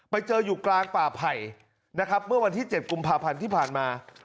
ไปเจออยู่กลางป่าไผ่นะครับเมื่อวันที่๗กุมภาพันธ์ที่ผ่านมา